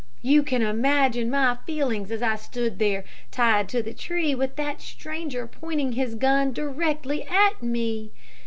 You can imagine my feelings, as I stood there tied to the tree, with that stranger pointing his gun directly at me.